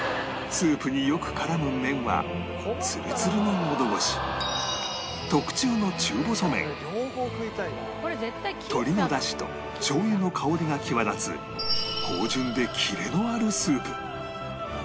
スープによく絡む麺はツルツルののど越し鶏の出汁としょう油の香りが際立つ芳醇でキレのあるスープ